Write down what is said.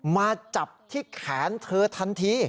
มาจับที่แขนเธอทันที